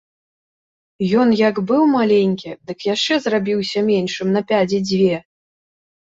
Ён як быў маленькі, дык яшчэ зрабіўся меншым на пядзі дзве.